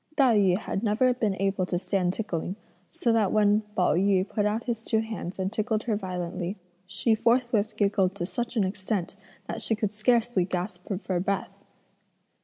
Tai yü had never been able to stand tickling, so that when Pao yü put out his two hands and tickled her violently, she forthwith giggled to such an extent that she could scarcely gasp for breath.